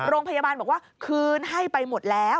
โรงพยาบาลบอกว่าคืนให้ไปหมดแล้ว